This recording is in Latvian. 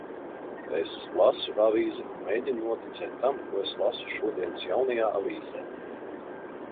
"Es lasu avīzi un mēģinu noticēt tam, ko es lasu šodienas "Jaunajā Avīzē"."